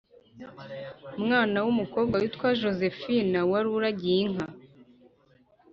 mwana w umukobwa witwa Josephine wari uragiye inka